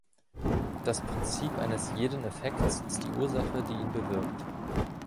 Das Prinzip eines jeden Effekts ist die Ursache, die ihn bewirkt.